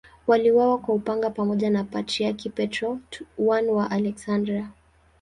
Waliuawa kwa upanga pamoja na Patriarki Petro I wa Aleksandria.